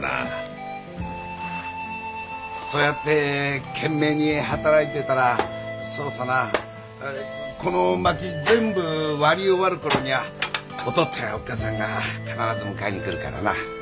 そうやって懸命に働いてたらそうさなこの薪全部割り終わるころにはお父っつぁんやおっ母さんが必ず迎えにくるからな。